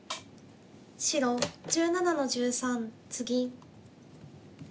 白１７の十三ツギ。